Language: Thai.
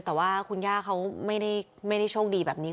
แต่ว่าคุณย่าเขาไม่ได้โชคดีแบบนี้